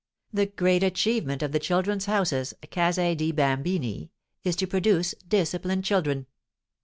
The great achievement of the "Children's Houses" (Case dei Bambini) is to produce disciplined children.